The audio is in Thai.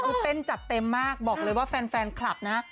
คือเต้นจัดเต็มมากบอกเลยว่าแฟนคลับนะ